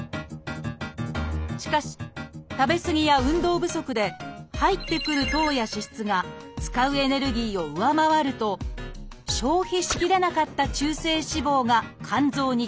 しかし食べ過ぎや運動不足で入ってくる糖や脂質が使うエネルギーを上回ると消費しきれなかった中性脂肪が肝臓に蓄積されます。